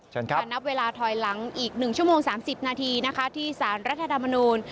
เชิญครับจะนับเวลาถอยหลังอีก๑ชั่วโมง๓๐นาทีที่สารรัฐธรรมนูญ